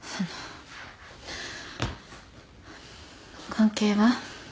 関係は？